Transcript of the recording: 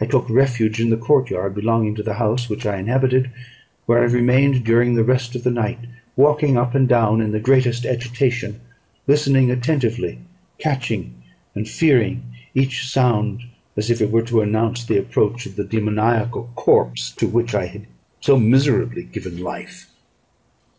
I took refuge in the courtyard belonging to the house which I inhabited; where I remained during the rest of the night, walking up and down in the greatest agitation, listening attentively, catching and fearing each sound as if it were to announce the approach of the demoniacal corpse to which I had so miserably given life.